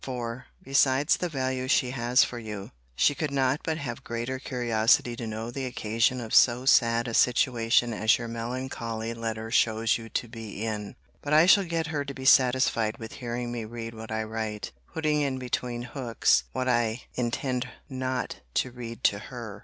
For, besides the value she has for you, she could not but have greater curiosity to know the occasion of so sad a situation as your melancholy letter shows you to be in. [But I shall get her to be satisfied with hearing me read what I write; putting in between hooks, {}, what I intend not to read to her.